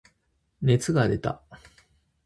熱が出た。